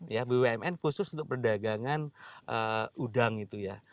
ya bumn khusus untuk perdagangan udang itu ya